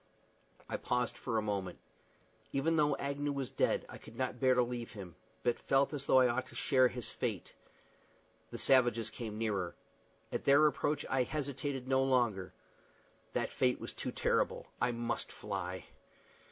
I paused for a moment. Even though Agnew was dead, I could not bear to leave him, but felt as though I ought to share his fate. The savages came nearer. At their approach I hesitated no longer. That fate was too terrible: I must fly.